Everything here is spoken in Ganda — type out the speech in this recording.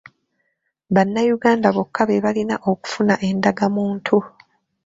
Bannayunda bokka be balina okufuna endagamuntu.